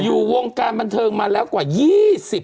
อยู่วงการบันเทิงมาแล้วกว่า๒๐ปี